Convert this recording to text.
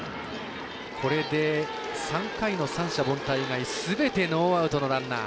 これで３回の三者凡退以外すべてノーアウトのランナー。